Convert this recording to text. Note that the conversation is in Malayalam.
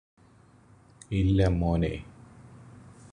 ഇല്ല മോനേ